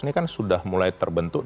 ini kan sudah mulai terbentuk